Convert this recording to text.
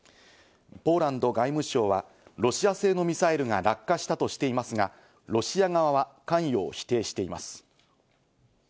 ポーランド外務省はロシア製のミサイルが落下したとしていますが、ロシア側は関与を否定しています。